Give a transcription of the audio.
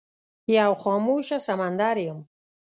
یو خاموشه سمندر یم